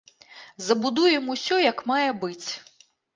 Забудуем усё як мае быць.